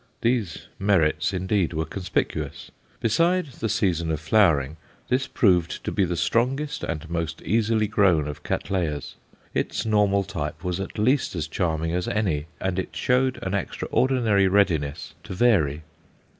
Those merits, indeed, were conspicuous. Besides the season of flowering, this proved to be the strongest and most easily grown of Cattleyas. Its normal type was at least as charming as any, and it showed an extraordinary readiness to vary.